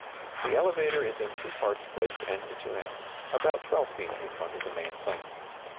The elevator is in two parts placed end to end, about 12 feet in front of the main planes.